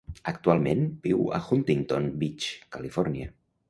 Actualment viu a Huntington Beach, California.